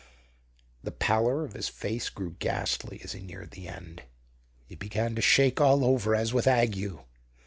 The pallor of his face grew ghastly as he neared the end. He began to shake all over as with ague.